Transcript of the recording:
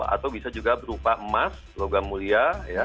atau bisa juga berupa emas logam mulia